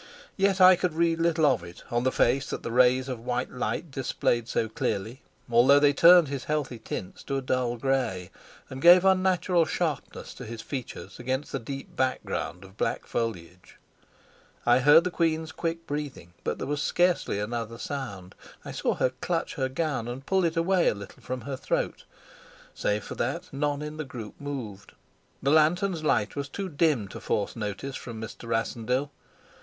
Yet I could read little of it on the face that the rays of white light displayed so clearly, although they turned his healthy tints to a dull gray, and gave unnatural sharpness to his features against the deep background of black foliage. I heard the queen's quick breathing, but there was scarcely another sound. I saw her clutch her gown and pull it away a little from her throat; save for that none in the group moved. The lantern's light was too dim to force notice from Mr. Rassendyll.